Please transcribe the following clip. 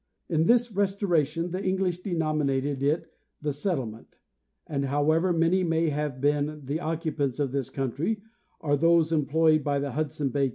In this restoration the English denominated it "the settlement ;" and however many may have been the oc cupants of this country or those employed by the Hudson Bay 250 John H.